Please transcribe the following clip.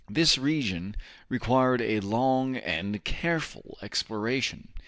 This region required a long and careful exploration.